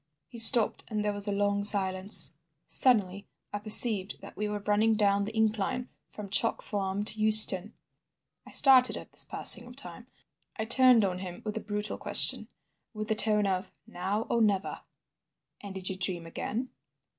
He stopped, and there was a long silence. Suddenly I perceived that we were running down the incline from Chalk Farm to Euston. I started at this passing of time. I turned on him with a brutal question, with the tone of "Now or never." "And did you dream again?"